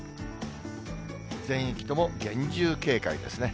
全域とも厳重警戒ですね。